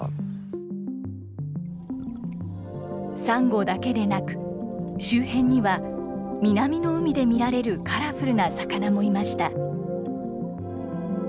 サンゴだけでなく、周辺には、南の海で見られるカラフルな魚もいました。